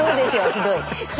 ひどい。